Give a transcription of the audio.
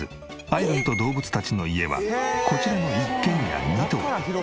あいるんと動物たちの家はこちらの一軒家２棟。